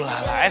udah dia lagi